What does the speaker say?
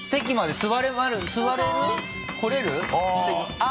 あっ。